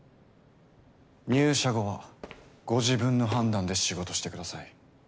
入社後はご自分の判断で仕事してください。